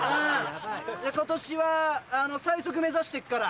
今年は最速目指して行くから。